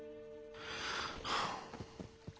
はあ。